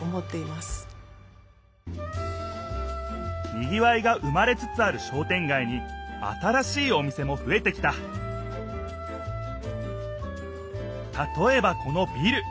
にぎわいが生まれつつある商店街に新しいお店もふえてきたたとえばこのビル。